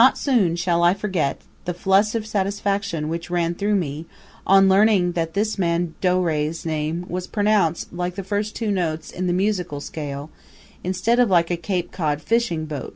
Not soon shall I forget the flush of satisfaction which ran through me on learning that this man Dore's name was pronounced like the first two notes in the music scale, instead of like a Cape Cod fishing boat.